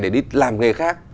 để đi làm nghề khác